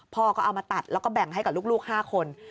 พ่อก็เอามาตัดแล้วก็แบ่งให้กับลูก๕คน